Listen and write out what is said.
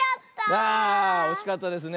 あおしかったですね。